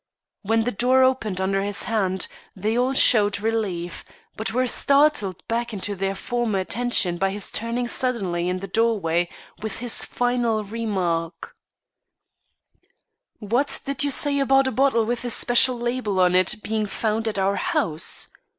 When the door opened under his hand, they all showed relief, but were startled back into their former attention by his turning suddenly in the doorway with this final remark: "What did you say about a bottle with a special label on it being found at our house?